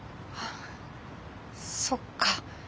そっか。